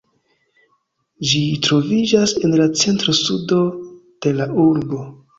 Ĝi troviĝas en la centro-sudo de la urbo.